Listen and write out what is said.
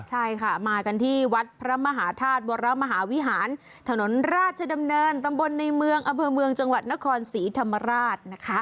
ใช่ค่ะมากันที่วัดพระมหาธาตุวรมหาวิหารถนนราชดำเนินตำบลในเมืองอำเภอเมืองจังหวัดนครศรีธรรมราชนะคะ